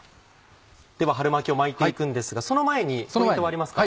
では春巻きを巻いていくんですがその前にポイントはありますか？